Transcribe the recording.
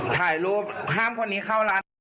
ถ่ายรูปห้ามคนนี้เข้าร้านนี้